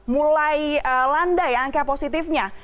mulai landai angka positifnya